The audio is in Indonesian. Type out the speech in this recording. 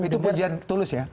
itu penjualan tulis ya